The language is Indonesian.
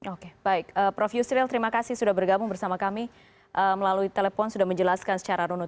oke baik prof yusril terima kasih sudah bergabung bersama kami melalui telepon sudah menjelaskan secara runut